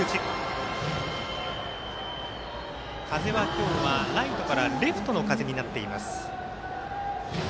風は今日はライトからレフトの風になっています。